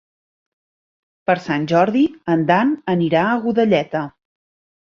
Per Sant Jordi en Dan anirà a Godelleta.